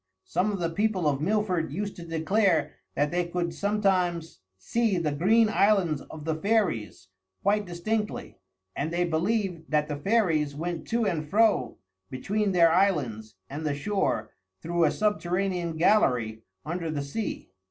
Some of the people of Milford used to declare that they could sometimes see the Green Islands of the fairies quite distinctly; and they believed that the fairies went to and fro between their islands and the shore through a subterranean gallery under the sea.